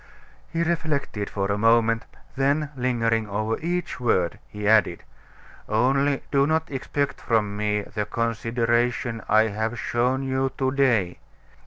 He reflected for a moment, then lingering over each word, he added: "Only do not then expect from me the consideration I have shown you to day.